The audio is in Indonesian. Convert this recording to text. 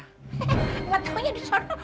he he nggak taunya di sana